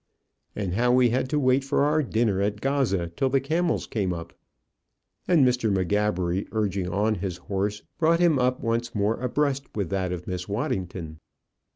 "And how we had to wait for our dinner at Gaza till the camels came up?" And Mr. M'Gabbery, urging on his horse, brought him up once more abreast with that of Miss Waddington.